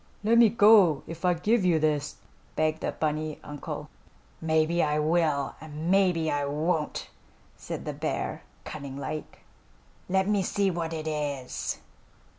"Let me go if I give you this," begged the bunny uncle. "Maybe I will, and maybe I won't," said the bear, cunning like. "Let me see what it is."